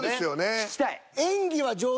引きたい。